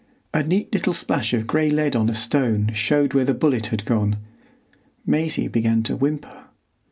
A neat little splash of gray lead on a stone showed where the bullet had gone. Maisie began to whimper.